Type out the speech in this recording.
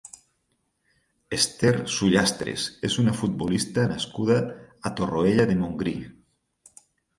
Esther Sullastres és una futbolista nascuda a Torroella de Montgrí.